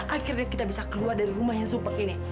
akhirnya kita bisa keluar dari rumah yang supek ini